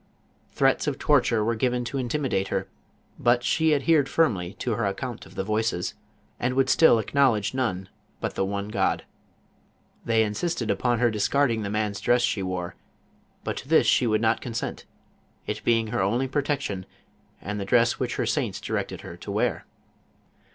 Threats of torture were given to intimidate her, but she adhered firmly to her account of the voices, and would still acknowledge none but the one God. They insisted upon her discard ing the man's dress she wore, but to this she would not JOAN OF ARC. 175 consent, it being her only protection, and llio dress wlych lier saints directed her to wear.